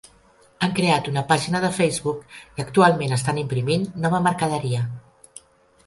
Han creat una pàgina de Facebook i actualment estan imprimint nova mercaderia.